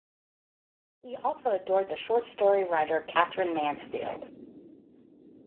He also adored the short-story writer Katherine Mansfield.